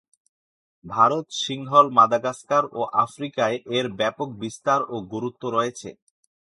Bharat, Sinhal, Madagascar ও আফ্রিকায় এর ব্যাপক বিস্তার ও গুরুত্ব রয়েছে।